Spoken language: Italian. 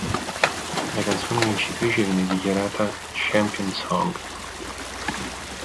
La canzone vincitrice viene dichiarata "Champion Song".